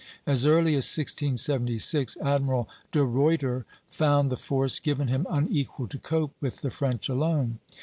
As early as 1676, Admiral De Ruyter found the force given him unequal to cope with the French alone.